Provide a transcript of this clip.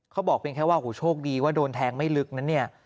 เขาบอกเพียงแค่ว่าโชคดีว่าโดนแทงไม่ลึกนะเนี่ย